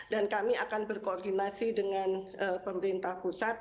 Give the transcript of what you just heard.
dan kami akan berkoordinasi dengan pemerintah pusat